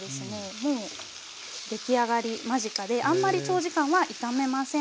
もう出来上がり間近であんまり長時間は炒めません。